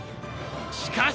しかし。